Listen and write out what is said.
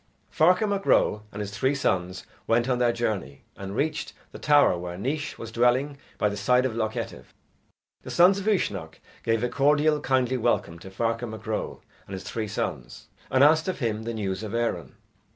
Ferchar Mac Ro and his three sons went on their journey, and reached the tower where Naois was dwelling by the side of Loch Etive. The sons of Uisnech gave a cordial kindly welcome to Ferchar Mac Ro and his three sons, and asked of him the news of Erin.